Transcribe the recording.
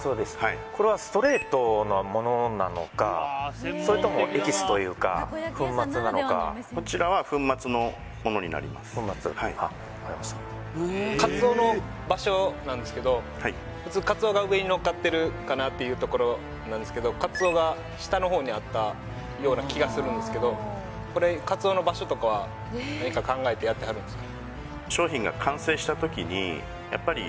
これはストレートなものなのかそれともエキスというか粉末なのかこちらは粉末あっ分かりました鰹の場所なんですけど普通鰹が上にのっかってるかなっていうところなんですけど鰹が下の方にあったような気がするんですけどこれ鰹の場所とかは何か考えてやってはるんすか？